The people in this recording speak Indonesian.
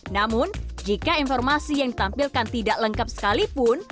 namun jika informasi yang ditampilkan tidak lengkap sekalipun